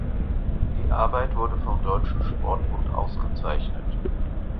Die Arbeit wurde vom Deutschen Sportbund ausgezeichnet.